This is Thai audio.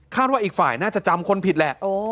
ว่าอีกฝ่ายน่าจะจำคนผิดแหละ